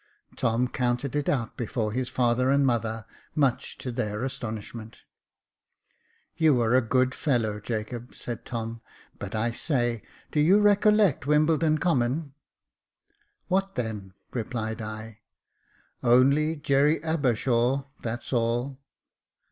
Tom counted it out before his father and mother, much to their astonishment. "You are a good fellow, Jacob," said Tomj "but I say, do you recollect Wimbledon Common ?"" What then ?" replied I. " Only Jerry Abershaw, that's all."